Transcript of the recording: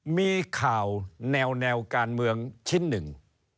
มีข่าวแนวการเมืองชิ้นหนึ่ง